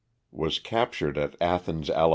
Was captured at Athens, Ala.